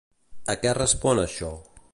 A què respon això?